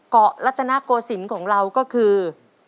รัฐนโกศิลป์ของเราก็คือ